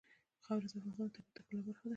خاوره د افغانستان د طبیعت د ښکلا برخه ده.